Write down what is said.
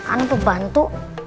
ane tuh bantu